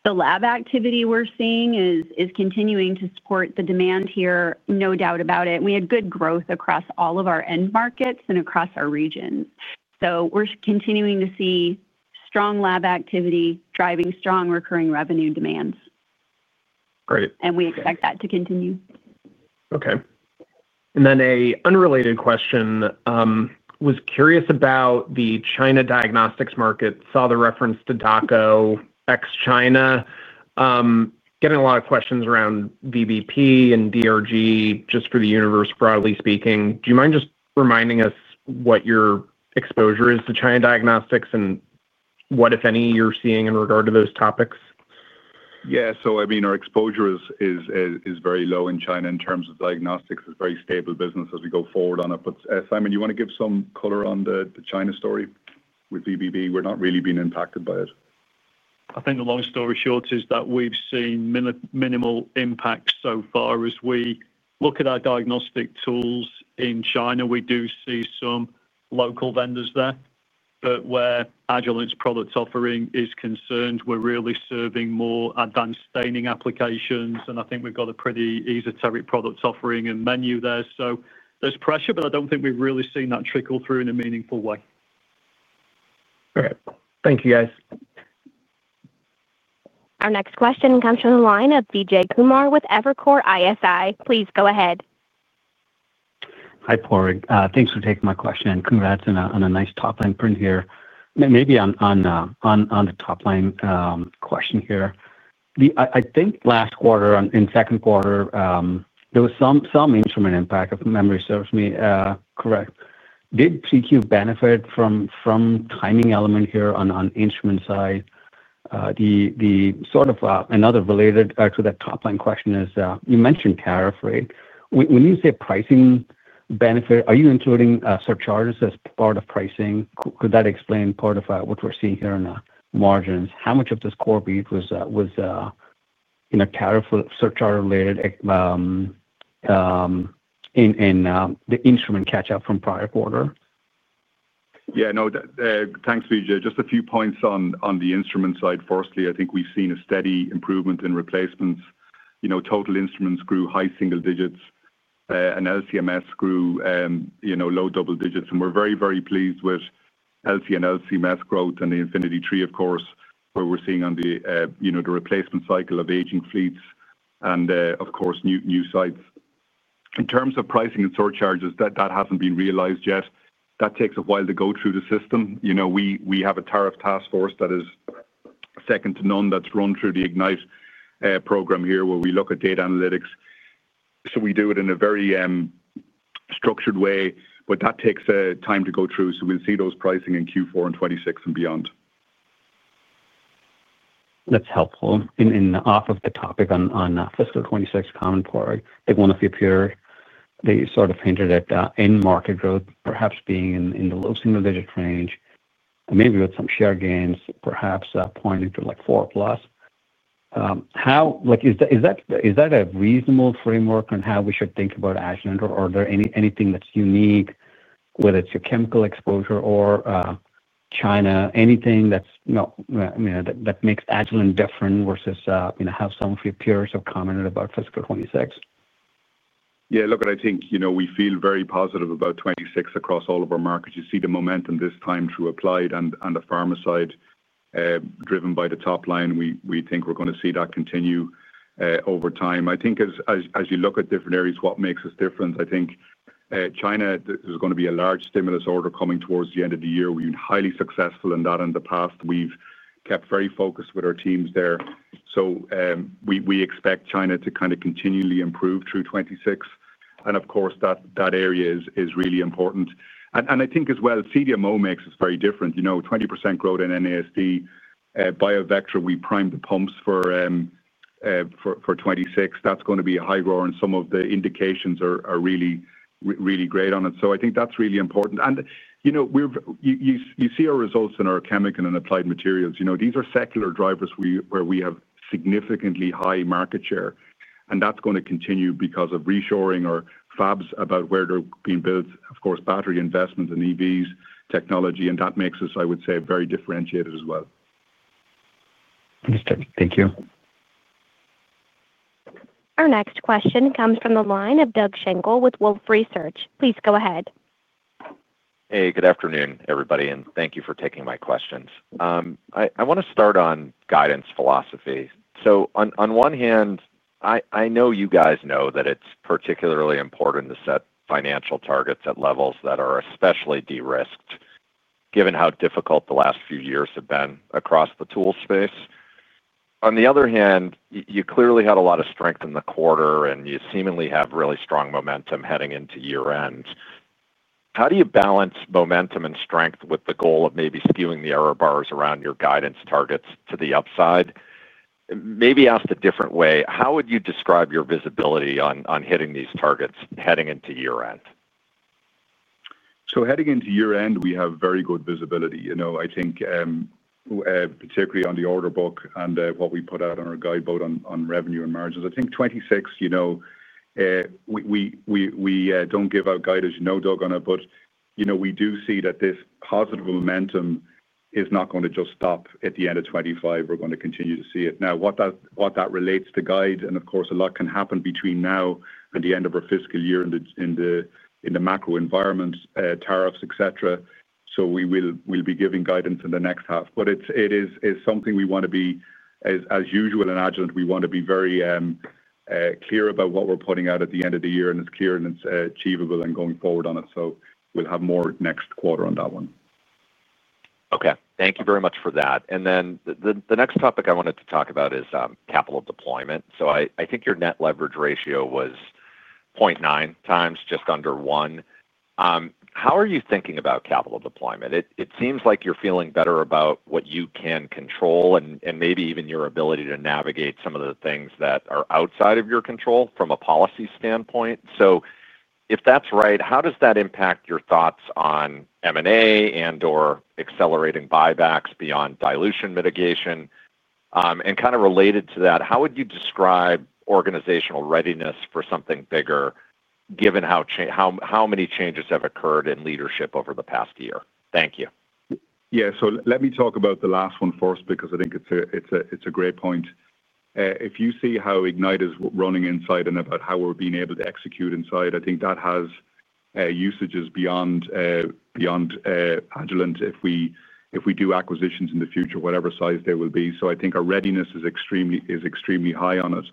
The lab activity we're seeing is continuing to support the demand here. No doubt about it. We had good growth across all of our end markets and across our region. We're continuing to see strong lab activity driving strong recurring revenue demands. Great. We expect that to continue. Okay. An unrelated question was curious about the China diagnostics market. Saw the reference to Dako ex China. Getting a lot of questions around VP and DRG just for the universe, broadly speaking. Do you mind just reminding us what your exposure is to the China diagnostics and what, if any, you're seeing in regard to those topics? Yeah, our exposure is very low in China in terms of diagnostics. It is a very stable business as we go forward on it. Simon, you want to give some color on the China story with VBB? We're not really being impacted by it. I think a long story short is that we've seen minimal impacts so far as we look at our diagnostic tools in China. We do see some local vendors there, where Agilent's product offering is concerned, we're really serving more advanced staining applications. I think we've got a pretty esoteric product offering and menu there. There's pressure, but I don't think we've really seen that trickle through in a meaningful way. All right, thank you guys. Our next question comes from the line of Vijay Kumar with Evercore ISI, please go ahead. Hi Padraig, thanks for taking my question and congrats on a nice top line print here. Maybe on the top line question here. I think last quarter, in second quarter there was some instrument impact, if memory serves me correct. Did TQ benefit from timing element here on instrument side? Another related to that top line question is you mentioned tariff rate. When you say pricing benefit, are you including surcharges as part of pricing? Could that explain part of what we're seeing here in margins? How much of this core beat was in a carry related in the instrument catch up from prior quarter? Yeah, no thanks Vijay. Just a few points on the instrument side. Firstly, I think we've seen a steady improvement in replacements. You know, total instruments grew high single digits and LCMS grew, you know, low double digits. We're very, very pleased with LC and LCMS growth and the InfinityLab LC Series Portfolio, of course, where we're seeing on the replacement cycle of aging fleets and, of course, new sites. In terms of pricing and store charges that haven't been realized yet, that takes a while to go through the system. We have a tariff task force that is second to none that's run through the Ignite program here where we look at data analytics. We do it in a very structured way, but that takes time to go through. We'll see those pricing in Q4 and 2026 and beyond. That's helpful. On the topic of fiscal 2026, I think one of your peers, they sort of hinted at end market growth perhaps being in the low single digit range, maybe with some share gains perhaps pointing to like 4% plus. Is that a reasonable framework on how we should think about Agilent, or is there anything that's unique, whether it's your chemical exposure or China, anything that makes Agilent different versus how some of your peers have commented about fiscal 2026? Yeah, look, I think you know, we feel very positive about 2026 across all of our markets. You see the momentum this time through applied and the pharmacide driven by the top line. We think we're going to see that continue over time. I think as you look at different areas, what makes us different? I think China, there's going to be a large stimulus order coming towards the end of the year. We've been highly successful in that in the past. We've kept very focused with our teams there. We expect China to kind of continually improve through 2026. Of course, that area is really important. I think as well CDMO makes us very different. You know, 20% growth in NASD Biovectra, we primed the pumps for 2026. That's going to be a high grower and some of the indications are really, really great on it. I think that's really important. You see our results in our chemical and applied materials, you know, these are secular drivers where we have significantly high market share and that's going to continue because of reshoring or fabs about where they're being built, of course, battery investment and EVs technology. That makes us, I would say, very differentiated as well. Thank you. Our next question comes from the line of Doug Schenkel with Wolfe Research. Please go ahead. Hey, good afternoon everybody and thank you for taking my questions. I want to start on guidance philosophy. On one hand, I know you guys know that it's particularly important to set financial targets at levels that are especially de-risked given how difficult the last few years have been across the tool space. On the other hand, you clearly had a lot of strength in the quarter and you seemingly have really strong momentum heading into year end. How do you balance momentum and strength with the goal of maybe skewing the error bars around your guidance targets to the upside? Maybe asked a different way, how would you describe your visibility on hitting these targets heading into year end? Heading into year end, we have very good visibility, I think, particularly on the order book and what we put out on our guideboard on revenue and margins. I think 2026, you know, we don't give out guide as you know, Doug, on it, but you know, we do see that this positive momentum is not going to just stop at the end of 2025. We're going to continue to see it. Now, what that relates to guide, of course, a lot can happen between now and the end of our fiscal year in the macro environment, tariffs, etc. We will be giving guidance in the next half. It is something we want to be, as usual in Agilent, we want to be very clear about what we're putting out at the end of the year and it's clear and it's achievable and going forward on it. We'll have more next quarter on that one. Okay, thank you very much for that. The next topic I wanted to talk about is capital deployment. I think your net leverage ratio was 0.9x, just under 1. How are you thinking about capital deployment? It seems like you're feeling better about what you can control and maybe even your ability to navigate some of the things that are outside of your control from a policy standpoint. If that's right, how does that impact your thoughts on M&A and accelerating buybacks beyond dilution mitigation? Kind of related to that, how would you describe organizational readiness for something bigger, given how many changes have occurred in leadership over the past year? Thank you. Let me talk about the last one first because I think it's a great point. If you see how Ignite is running inside and about how we're being able to execute inside, I think that has usages beyond Agilent. If we do acquisitions in the future, whatever size they will be, I think our readiness is extremely high on us.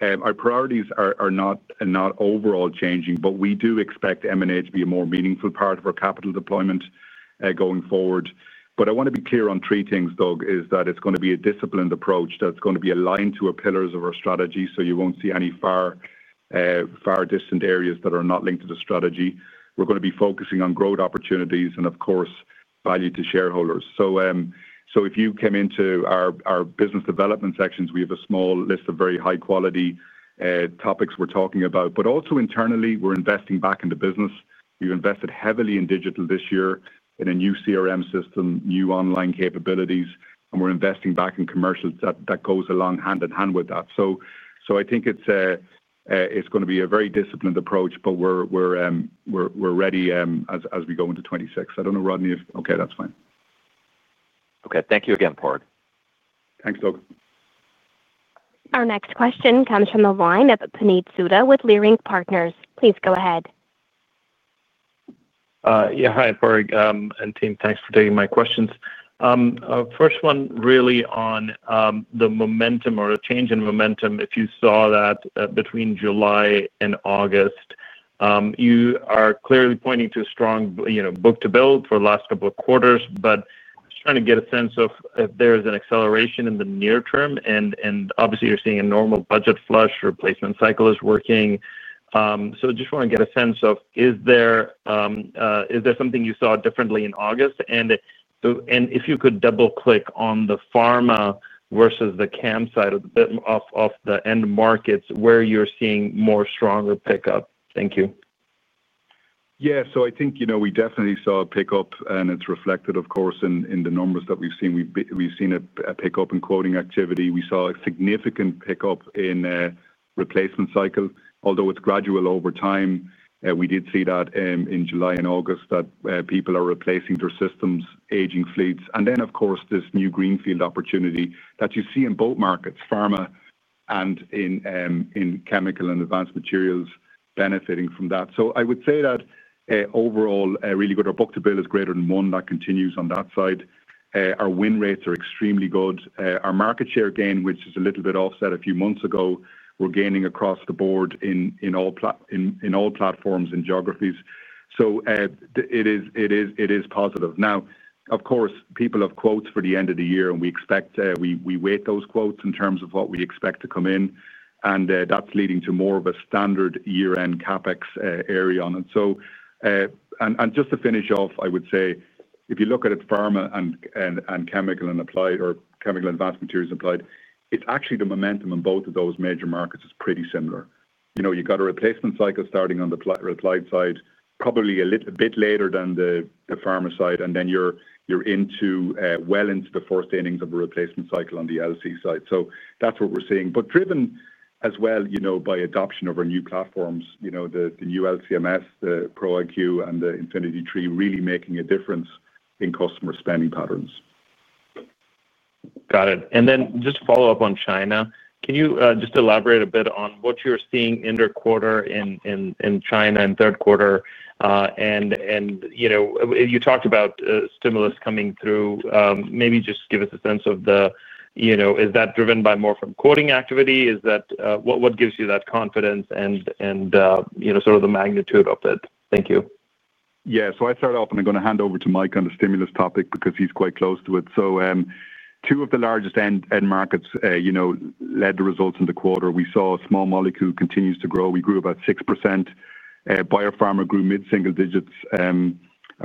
Our priorities are not overall changing, but we do expect M&A to be a more meaningful part of our capital deployment going forward. I want to be clear on three things, Doug, that it's going to be a disciplined approach that's going to be aligned to the pillars of our strategy. You won't see any far, far distant areas that are not linked to the strategy. We're going to be focusing on growth opportunities and, of course, value to shareholders. If you came into our business development sections, we have a small list of very high-quality topics we're talking about. Also, internally we're investing back into business. We've invested heavily in digital this year, in a new CRM system, new online capabilities, and we're investing back in commercial. That goes along hand in hand with that. I think it's going to be a very disciplined approach. We're ready as we go into 2026. I don't know, Rodney. Okay, that's fine. Thank you again. Padraig. Thanks, Doug. Our next question comes from the line of Puneet Souda with Leerink Partners. Please go ahead. Yeah. Hi Padraig and team. Thanks for taking my questions. First one really on the momentum or a change in momentum? If you saw that between July and August, you are clearly pointing to a strong book-to-bill for the last couple of quarters. Trying to get a sense of if there is an acceleration in the near term and obviously you're seeing a normal budget flush replacement cycle is working. Just want to get a sense of is there something you saw differently in August and if you could double click on the pharma versus the chem side of the end markets where you're seeing more stronger pickup. Thank you. Yeah, so I think, you know, we definitely saw a pickup and it's reflected, of course, in the numbers that we've seen. We've seen a pickup in quoting activity. We saw a significant pickup in replacement cycle, although it's gradual over time. We did see that in July and August that people are replacing their systems, aging fleets. Of course, this new greenfield opportunity that you see in both markets, pharma and in chemical and advanced materials, is benefiting from that. I would say that overall, really good. Our book-to-bill is greater than one; that continues on that side. Our win rates are extremely good. Our market share gain, which was a little bit offset a few months ago, we're gaining across the board in all platforms and geographies. It is positive. Now, of course, people have quotes for the end of the year and we expect, we weight those quotes in terms of what we expect to come in, and that's leading to more of a standard year-end CapEx area on it. Just to finish off, I would say if you look at it, pharma and chemical and applied, or chemical, advanced materials, applied, it's actually the momentum in both of those major markets is pretty similar. You know, you got a replacement cycle starting on the applied side probably a little bit later than the pharma side, and then you're well into the fourth innings of a replacement cycle on the LC side. That's what we're seeing, driven as well, you know, by adoption of our new platforms, the new LCMS, the Pro iQ, and the InfinityLab, really making a difference in customer spending patterns. Got it. Can you just elaborate a bit on what you're seeing in the quarter in China and third quarter? You talked about stimulus coming through. Maybe just give us a sense of the, you know, is that driven more from quoting activity? Is that what gives you that confidence and, you know, sort of the magnitude of it? Thank you. Yeah. I start off and I'm going to hand over to Mike on the stimulus topic because he's quite close to it. Two of the largest end markets, you know, led the results in the quarter. We saw small molecule continues to grow, we grew about 6%. Biopharma grew mid single digits and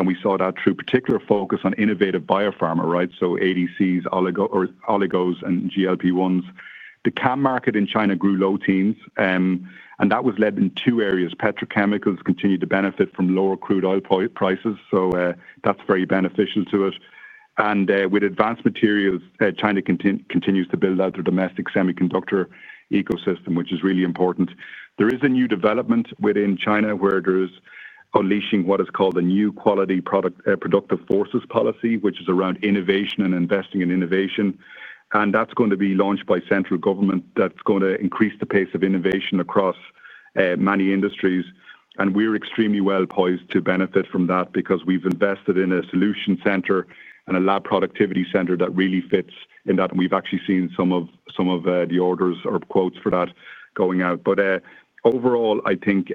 we saw that through particular focus on innovative biopharma. Right. So ADCs, oligos, and GLP1s. The CAM market in China grew low teens and that was led in two areas. Petrochemicals continued to benefit from lower crude oil prices. That's very beneficial to us. With advanced materials, China continues to build out their domestic semiconductor ecosystem, which is really important. There is a new development within China where there is unleashing what is called the new quality productive forces policy, which is around innovation and investing in innovation, and that's going to be launched by central government. That's going to increase the pace of innovation across many industries. We're extremely well poised to benefit from that because we've invested in a solution center and a lab productivity center that really fits in that. We've actually seen some of the orders or quotes for that going out. Overall, I think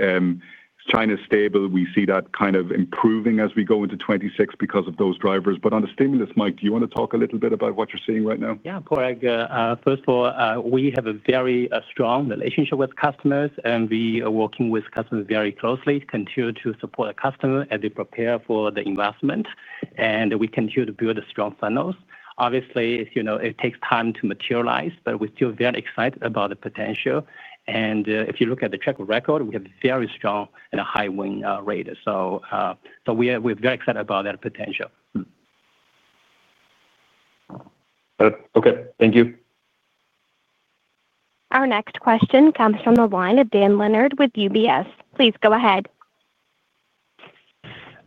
China stable, we see that kind of improving as we go into 2026 because of those drivers. On the stimulus, Mike, do you want to talk a little bit about what you're seeing right now? Yeah. First of all, we have a very strong relationship with customers, and we are working with customers very closely. We continue to support the customer as they prepare for the investment, and we continue to build strong funnels. Obviously, it takes time to materialize, but we feel very excited about the potential. If you look at the track record, we have very strong and a high win rate. We are very excited about that potential. Okay, thank you. Our next question comes from the line of Dan Leonard with UBS. Please go ahead.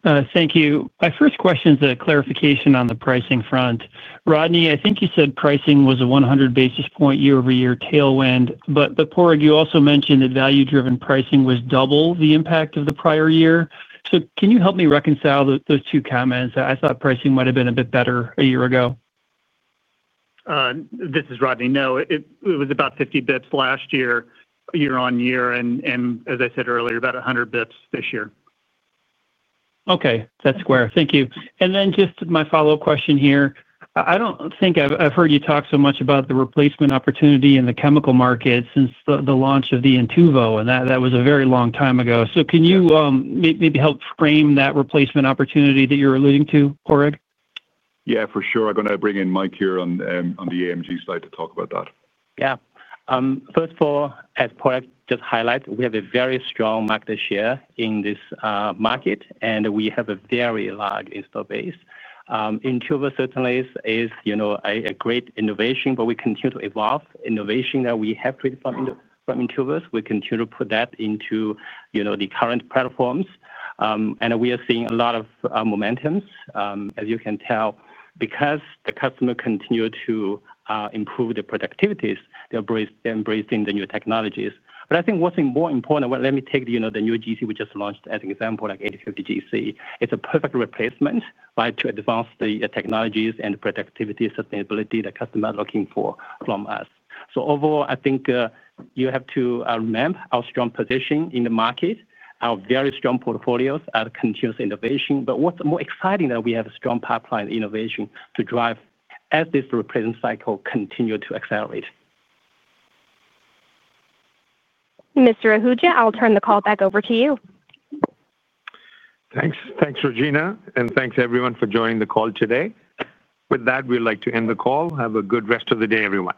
Thank you. My first question is a clarification on the pricing front. Rodney, I think you said pricing was a 100 basis point year over year tailwind. Padraig, you also mentioned that value driven pricing was double the impact of the prior year. Can you help me reconcile those two comments? I thought pricing might have been a bit better a year ago. This is Rodney. No, it was about 50 basis points last year, year on year, and as I said earlier, about 100 basis points this year. Okay, that's square. Thank you. My follow up question here, I don't think I've heard you talk so much about the replacement opportunity in the chemical market since the launch of the Intuvo, and that was a very long time ago. Can you maybe help frame that replacement opportunity that you're alluding to Padraig? Yeah, for sure. I'm going to bring in Mike here on the AMG side to talk about that. Yeah, first of all, as Padraig just highlighted, we have a very strong market share in this market and we have a very large install base. Intuva certainly is a great innovation, but we continue to evolve innovation that we have created from Intuva. We continue to put that into, you know, the current platforms and we are seeing a lot of momentum as you can tell, because the customers continue to improve their productivity. They are embracing the new technologies. I think what's more important, let me take the new GC we just launched as an example, like 8850 GC. It's a perfect replacement to advance the technologies and productivity sustainability that customers are looking for from us. Overall, I think you have to remember our strong position in the market, our very strong portfolios, our continuous innovation. What's more exciting is that we have a strong pipeline of innovation to drive as this replacement cycle continues to accelerate. Mr. Ahuja, I'll turn the call back over to you. Thanks. Thanks, Regina. Thanks, everyone, for joining the call today. With that, we'd like to end the call. Have a good rest of the day, everyone.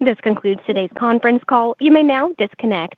This concludes today's conference call. You may now disconnect.